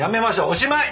おしまい！